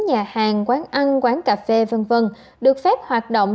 nhà hàng quán ăn quán cà phê v v được phép hoạt động